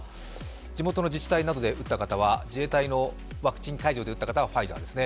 地元の自治体などで打った方、自衛隊のワクチン会場で打った方はファイザーですね。